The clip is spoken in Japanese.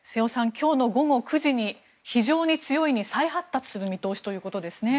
今日の午後９時に非常に強いに再発達する見通しということですね。